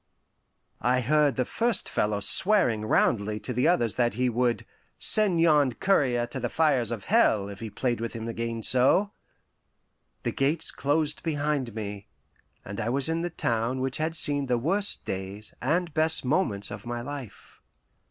I heard the first fellow swearing roundly to the others that he would "send yon courier to fires of hell, if he played with him again so." The gates closed behind me, and I was in the town which had seen the worst days and best moments of my life.